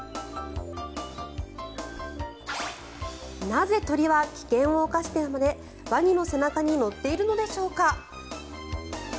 なぜ、鳥は危険を冒してまでワニの背中に乗っているのでしょうか。